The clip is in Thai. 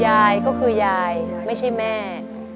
ยายก็คือยายไม่ใช่แม่